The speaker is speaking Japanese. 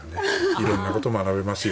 いろんなことを学べますよ。